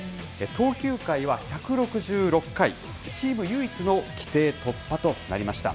投球回は１６６回、チーム唯一の規定突破となりました。